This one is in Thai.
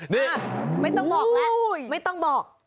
นี่ไม่ต้องบอกแล้วไม่ต้องบอก